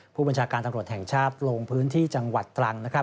ผู้บัญชาการตำรวจแห่งชาติลงพื้นที่จังหวัดตรัง